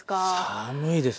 寒いです。